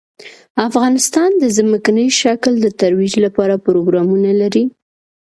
افغانستان د ځمکنی شکل د ترویج لپاره پروګرامونه لري.